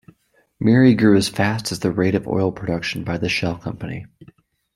Miri grew as fast as the rate of oil production by the Shell company.